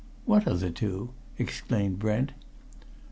"What other two?" exclaimed Brent.